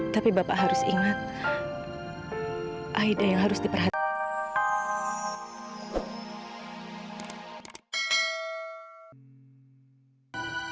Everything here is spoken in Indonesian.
tapi bapak harus ingat aida yang harus diperhatikan